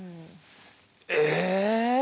え！